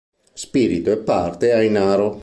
Spirito, e parte ai Naro.